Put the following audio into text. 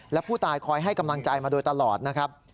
และผู้ตายคอยให้กำลังใจมาโดยตลอดนะครับ